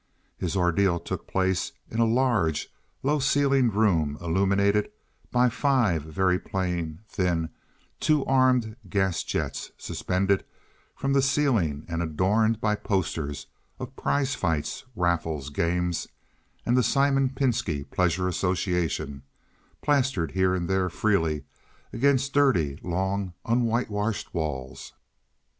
His ordeal took place in a large, low ceiled room illuminated by five very plain, thin, two armed gas jets suspended from the ceiling and adorned by posters of prizefights, raffles, games, and the "Simon Pinski Pleasure Association" plastered here and there freely against dirty, long unwhitewashed walls.